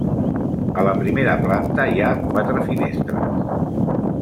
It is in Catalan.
A la primera planta hi ha quatre finestres.